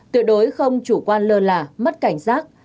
tuyệt đối không chủ quan lơ là mất cảnh giác